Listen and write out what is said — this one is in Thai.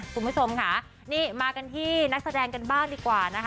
คุณผู้ชมค่ะนี่มากันที่นักแสดงกันบ้างดีกว่านะคะ